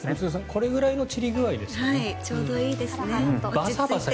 これくらいの散り具合ですよね。